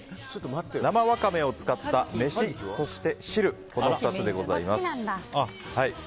生ワカメを使っためし、そして汁この２つでございます。